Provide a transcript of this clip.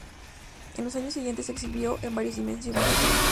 En los años siguientes, se exhibió en varios dime museum.